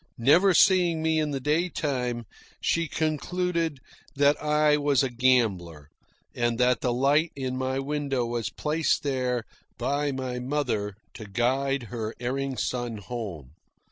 Never seeing me in the day time, she concluded that I was a gambler, and that the light in my window was placed there by my mother to guide her erring son home.